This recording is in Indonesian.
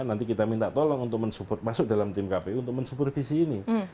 nanti kita minta tolong untuk masuk dalam tim kpu untuk mensupervisi ini